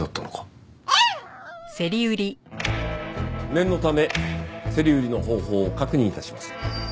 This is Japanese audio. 念のため競り売りの方法を確認致します。